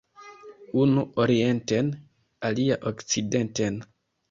Unu orienten, alia okcidenten.